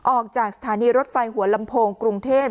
ออกจากสถานีรถไฟหัวลำโพงกรุงเทพ